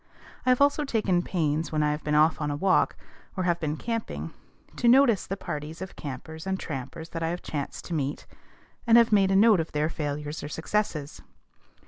I have also taken pains, when I have been off on a walk, or have been camping, to notice the parties of campers and trampers that I have chanced to meet, and have made a note of their failures or success.